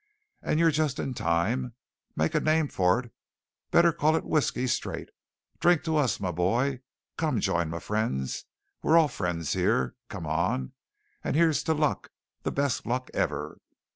And you're just in time! Make a name for it? Better call it whiskey straight. Drink to us, my boy! Come, join my friends! We're all friends here! Come on, and here's to luck, the best luck ever!